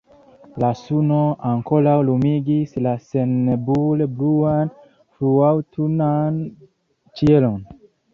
La suno ankoraŭ lumigis la sennebule bluan fruaŭtunan ĉielon.